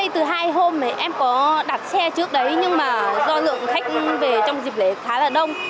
tôi đã đặt xe trước đấy nhưng mà do lượng khách về trong dịp lễ khá là đông